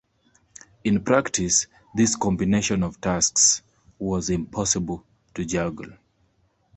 In practice, this combination of tasks was impossible to juggle.